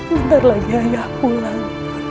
bentar lagi ayah pulang